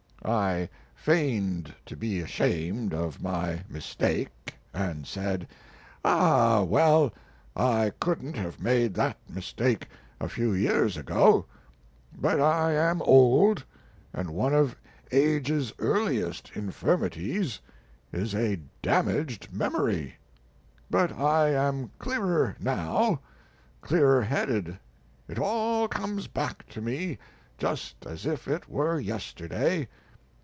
I feigned to be ashamed of my mistake and said: "Ah, well, I couldn't have made that mistake a few years ago; but I am old, and one of age's earliest infirmities is a damaged memory; but I am clearer now clearer headed it all comes back to me just as if it were yesterday.